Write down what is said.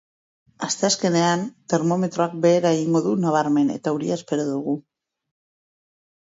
Asteazkenean, termometroak behera egingo du nabarmen eta euria espero dugu.